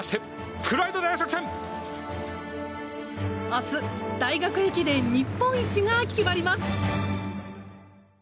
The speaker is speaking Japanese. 明日、大学駅伝日本一が決まります。